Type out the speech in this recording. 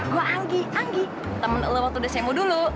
gue anggi anggi temen lo waktu desain gue dulu